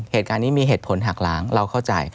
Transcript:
เหตุการณ์นี้มีเหตุผลหักล้างเราเข้าใจ